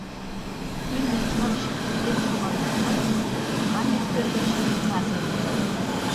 Имньын капшым пуртен шогалтатат, камер кӧргыш газым луктыт.